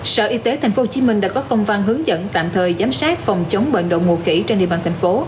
sở y tế tp hcm đã có công văn hướng dẫn tạm thời giám sát phòng chống bệnh đậu mùa khỉ trên địa bàn thành phố